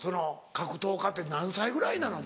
格闘家って何歳ぐらいなの？